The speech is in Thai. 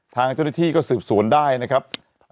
ทางเจ้าหน้าที่ก็สืบสวนได้นะครับ